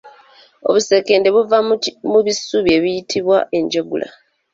Obuseekende buva ku bisubi ebiyitibwa enjegula